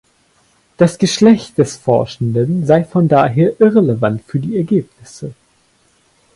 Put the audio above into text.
Das Geschlecht des Forschenden sei von daher irrelevant für die Ergebnisse.